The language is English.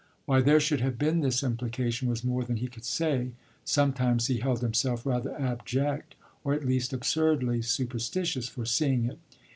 Why there should have been this implication was more than he could say; sometimes he held himself rather abject, or at least absurdly superstitious, for seeing it.